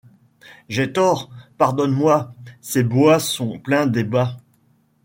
J'ai tort ; pardonne-moi. Ces bois sont pleins d'ébats